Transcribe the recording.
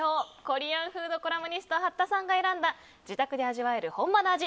コリアン・フード・コラムニスト八田さんが選んだ自宅で味わる本場の味！